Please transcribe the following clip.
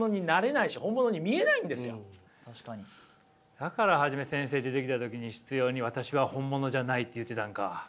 だから初め先生出てきた時に執ように「私は本物じゃない」って言うてたんか。